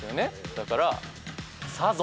だから。